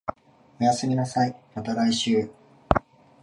おやすみなさい、また来週